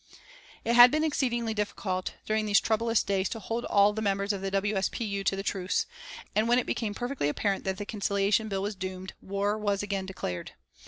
It had been exceedingly difficult, during these troublous days, to hold all the members of the W. S. P. U. to the truce, and when it became perfectly apparent that the Conciliation Bill was doomed, war was again declared.